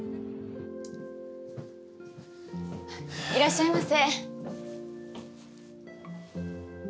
いらっしゃいませ。